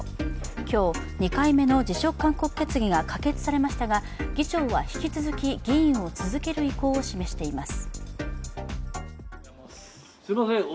今日、２回目の辞職勧告決議が可決されましたが、議長は引き続き議員を続ける意向を示しています。